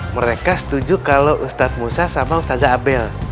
mereka setuju kalau ustadz musa sama ustazah abel